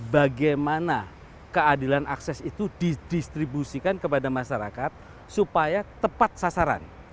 bagaimana keadilan akses itu didistribusikan kepada masyarakat supaya tepat sasaran